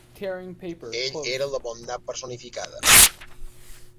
Ell era la bondat personificada.